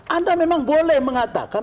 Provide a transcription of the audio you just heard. anda memang boleh mengatakan